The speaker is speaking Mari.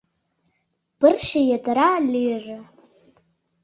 Пырче йытыра лийже